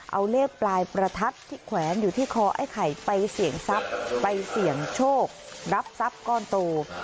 เอาเลขปลายประทัดที่แขวนอยู่ที่คอไอ้ไข่ไปเสี่ยงทรัพย์ไปเสี่ยงโชครับทรัพย์ก้อนโต